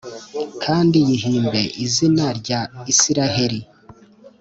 kandi yihimbe izina rya israheli.